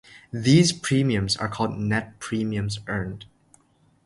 These premiums are called "net premiums earned".